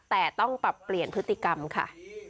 แต่ต้องปรับเปลี่ยนพฤติกรรมค่ะ